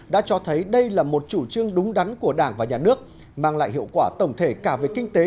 đã cho thấy đây là một chủ trương đúng đắn của đảng và nhà nước mang lại hiệu quả tổng thể cả về kinh tế